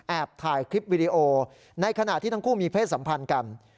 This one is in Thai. ถ่ายคลิปวิดีโอในขณะที่ทั้งคู่มีเพศสัมพันธ์กัน